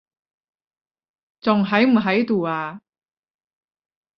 仲喺唔喺度啊？